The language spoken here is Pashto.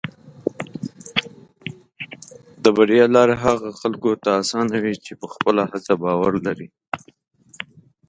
د بریا لار هغه خلکو ته اسانه وي چې په خپله هڅه باور لري.